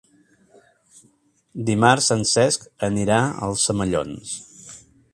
Dimarts en Cesc anirà als Omellons.